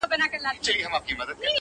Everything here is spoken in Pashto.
o شاعر باید درباري نه وي,